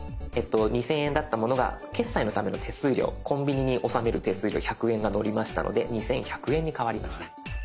２，０００円だったものが決済のための手数料コンビニに納める手数料１００円がのりましたので２，１００円に変わりました。